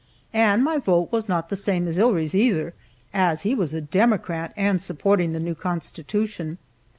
And my vote was not the same as Ihrie's, either, as he was a Democrat, and supporting the new constitution.